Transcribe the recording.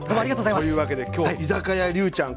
というわけで今日居酒屋りゅうちゃん